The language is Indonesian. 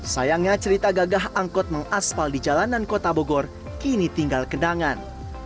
sayangnya cerita gagah angkot mengaspal di jalanan kota bogor kini tinggal kedangan